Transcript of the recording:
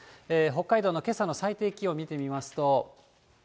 北海道のけさの最低気温を見てみますと。